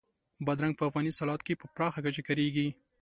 بادرنګ په افغاني سالاد کې په پراخه کچه کارېږي.